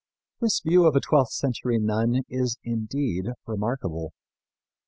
This view of a twelfth century nun is indeed remarkable.